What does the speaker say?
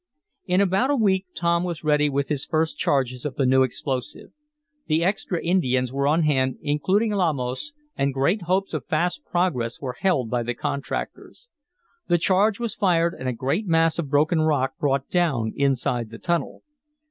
In about a week Tom was ready with his first charges of the new explosive. The extra Indians were on hand, including Lamos, and great hopes of fast progress were held by the contractors. The charge was fired and a great mass of broken rock brought down inside the tunnel.